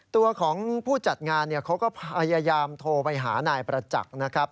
ตัวของผู้จัดงานเขาก็พยายามโทรไปหานายประจักษ์นะครับ